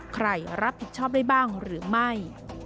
ใครรับผิดชอบได้บ้างหรือไม่